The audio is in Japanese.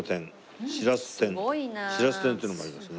しらす天っていうのもありますね。